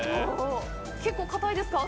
結構、硬いですか？